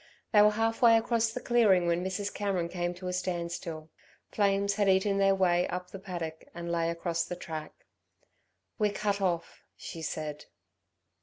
They were half way across the clearing when Mrs. Cameron came to a standstill. Flames had eaten their way up the paddock and lay across the track. "We're cut off," she said.